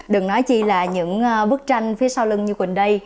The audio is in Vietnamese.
đừng nói chi là những bức tranh phía sau lưng như quỳnh đây